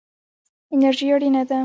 انرژي اړینه ده.